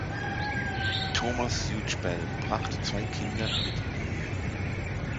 Thomas Huge Bell brachte zwei Kinder mit in die Ehe.